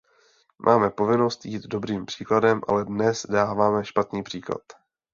Máme povinnost jít dobrým příkladem, ale dnes dáváme špatný příklad.